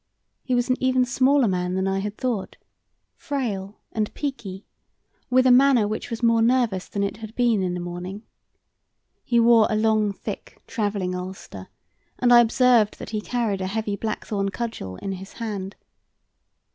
He was an even smaller man than I had thought frail and peaky, with a manner which was more nervous than it had been in the morning. He wore a long, thick travelling ulster, and I observed that he carried a heavy blackthorn cudgel in his hand.